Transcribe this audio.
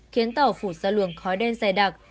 khiến tàu phủ ra luồng khói đen dài đặc